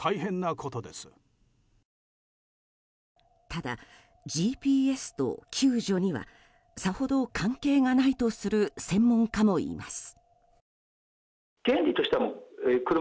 ただ、ＧＰＳと救助にはさほど関係がないとする専門家もいます。